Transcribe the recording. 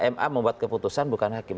ma membuat keputusan bukan hakim